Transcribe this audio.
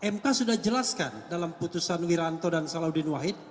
mk sudah jelaskan dalam putusan wiranto dan salahuddin wahid